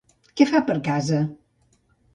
Què fa per casa?